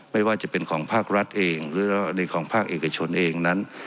ไม่ว่าจะเป็นของภาครัฐเองหรือในของภาคเอกชนเองนั้น